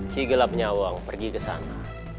si gelap nyawang pergi ke sana